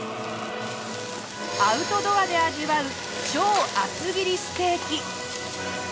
アウトドアで味わう超厚切りステーキ。